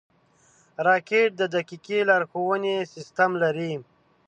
راکټ د دقیقې لارښونې سیسټم لري